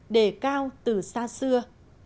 đề cao từ xa xưa